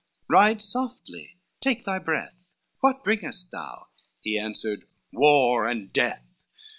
ride softly, take thy breath, What bringest thou?" He answered, "War and death."